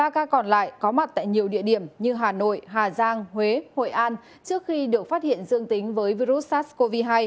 ba ca còn lại có mặt tại nhiều địa điểm như hà nội hà giang huế hội an trước khi được phát hiện dương tính với virus sars cov hai